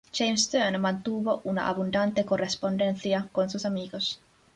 James Stern mantuvo una abundante correspondencia con sus amigos.